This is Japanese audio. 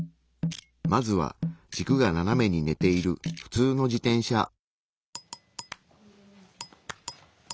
まずは軸が斜めにねている普通の自転車。